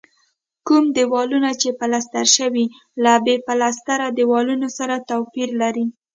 کوم دېوالونه چې پلستر شوي له بې پلستره دیوالونو سره توپیر لري.